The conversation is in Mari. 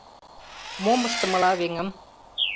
Мом ыштымыла, веҥым?